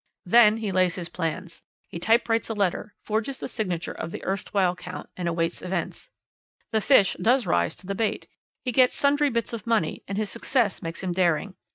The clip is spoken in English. "Then he lays his plans. He typewrites a letter, forges the signature of the erstwhile Count, and awaits events. The fish does rise to the bait. He gets sundry bits of money, and his success makes him daring.